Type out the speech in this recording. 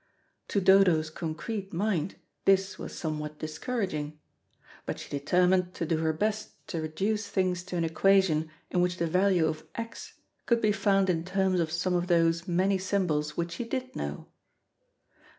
To Dodo's concrete mind this was somewhat discouraging, but she determined to do her best to reduce things to an equation in which the value of "x" could be found in terms of some of those many symbols which she did know.